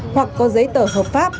hoặc có giấy tờ hợp pháp